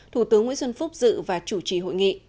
thủ tướng nguyễn xuân phúc dự và chủ trì hội nghị